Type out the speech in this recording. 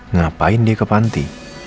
ngapain dia ke panti